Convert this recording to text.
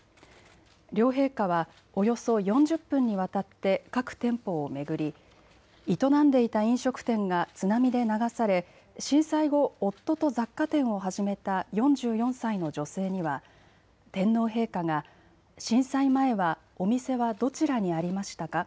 両陛下はおよそ４０分にわたって各店舗を巡り営んでいた飲食店が津波で流され震災後、夫と雑貨店を始めた４４歳の女性には天皇陛下が震災前はお店はどちらにありましたか。